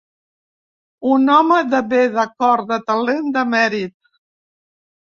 Un home de bé, de cor, de talent, de mèrit.